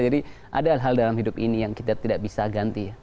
jadi ada hal hal dalam hidup ini yang kita tidak bisa ganti